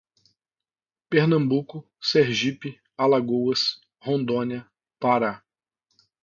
Pernambuco, Sergipe, Alagoas, Rondônia, Pará